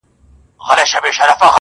د خره په تندي کي محراب نه وي.